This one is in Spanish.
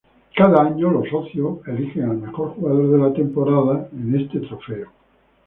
Cada año los socios eligen al mejor jugador de la temporada en este trofeo.